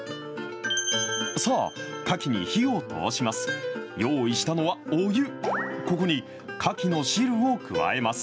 さあ、かきに火を通します。